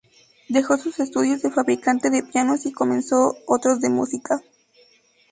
Dejó sus estudios de fabricante de pianos y comenzó otros de música.